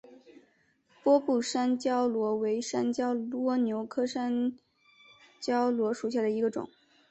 波部山椒螺为山椒蜗牛科山椒螺属下的一个种。